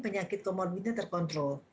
penyakit komorbitnya terkontrol